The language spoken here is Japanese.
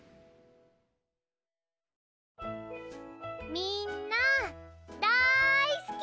みんなだいすき！